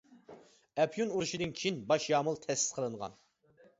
ئەپيۈن ئۇرۇشىدىن كېيىن باش يامۇل تەسىس قىلىنغان.